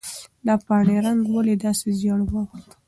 د پاڼې رنګ ولې داسې ژېړ واوښت؟